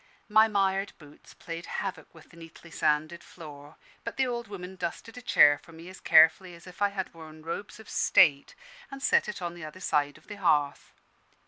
My mired boots played havoc with the neatly sanded floor; but the old woman dusted a chair for me as carefully as if I had worn robes of state, and set it on the other side of the hearth.